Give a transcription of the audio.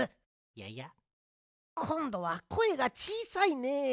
ヤヤ？こんどはこえがちいさいね。